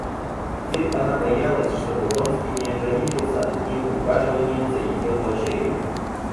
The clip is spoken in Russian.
Теперь она боялась, чтобы Вронский не ограничился одним ухаживаньем за ее дочерью.